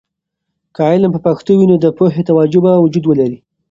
که علم په پښتو وي، نو د پوهې توجه به وجود ولري.